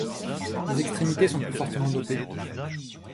Les extrémités sont plus fortement dopées.